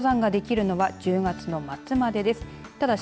登山ができるのは１０月の末までです。